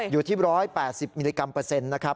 อยู่ที่๑๘๐มิลลิกรัมเปอร์เซ็นต์นะครับ